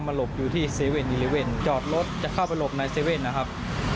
ไม่รู้จักมาก่อนครับ